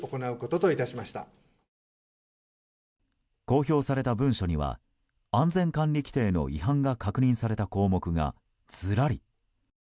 公表された文書には安全管理規程の違反が確認された項目がずらり。